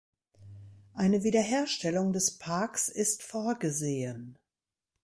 Eine Wiederherstellung des Parks ist vorgesehen.